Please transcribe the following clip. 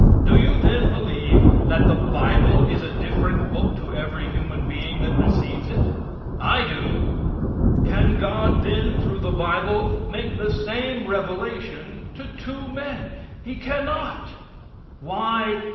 Do you then believe that the bible is a different book to every human being that receives it? I do. Can God, then, through the bible, make the same revelation to two men? He cannot. Why?